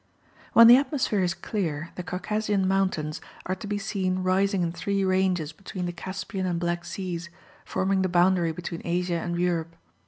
When the atmosphere is clear the Caucasian mountains are to be seen rising in three ranges between the Caspian and Black seas, forming the boundary between Asia and Europe.